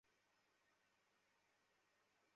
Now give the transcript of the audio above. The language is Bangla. সে ঘুমাচ্ছে কেন?